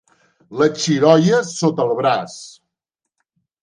Les Xiroies sota el braç.